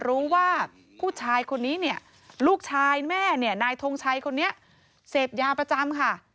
รู้ว่าผู้ชายนี้ลูกชายแม่ทรงชัยนี้เศฑยาประจำ